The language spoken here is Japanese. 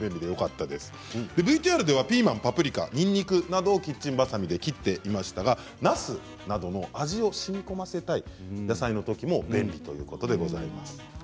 ＶＴＲではピーマン、パプリカにんにくなどを使って切っていましたがなすなど味をしみこませたい野菜を切るときも便利だということです。